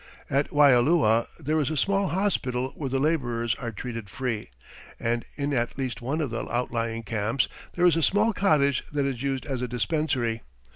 At Waialua there is a small hospital where the labourers are treated free, and in at least one of the outlying camps there is a small cottage that is used as a dispensary.